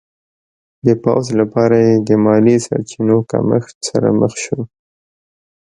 د پوځ لپاره یې د مالي سرچینو کمښت سره مخ شو.